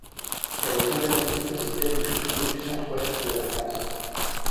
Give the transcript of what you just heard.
Elle est emblématique de ces plaines cultivées du Centre-Ouest de la France.